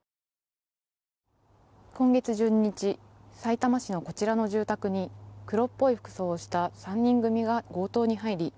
今月１２日さいたま市のこちらの住宅に黒っぽい服装をした３人組が強盗に入り